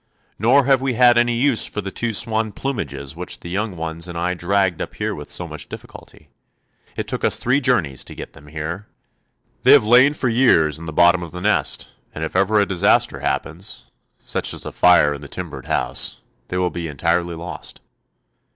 Nor have we had any use for the two swan plumages which the young ones and I dragged up here with so much difficulty; it took us three journeys to get them here. They have lain for years in the bottom of the nest, and if ever a disaster happens, such as a fire in the timbered house, they will be entirely lost."